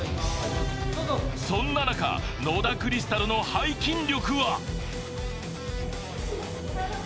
そんな中野田クリスタルの背筋力は？